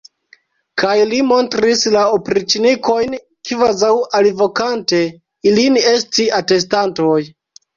Kaj li montris la opriĉnikojn, kvazaŭ alvokante ilin esti atestantoj.